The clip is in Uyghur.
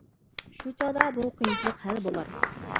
شۇ چاغدا بۇ قىيىنچىلىق ھەل بولار.